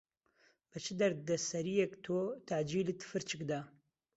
بە چ دەردەسەرییەک تۆ تەعجیلت فرچک دا.